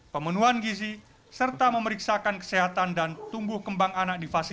pemenuhan gizi serta memeriksakan kesehatan dan tumbuh kembang anak divaksin